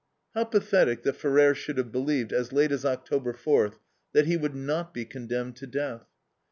How pathetic that Ferrer should have believed, as late as October fourth, that he would not be condemned to death.